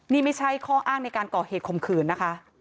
นี่ไม่ใช่ข้ออ้างในการก่อเหตุคมขืนนะคะ